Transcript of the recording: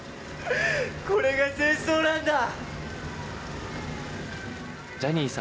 これが戦争なんだ。